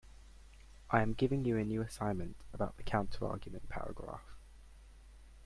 I am giving you a new assignment about the counterargument paragraph.